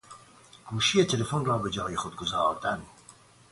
گوشی تلفون را بجای خود گذاردن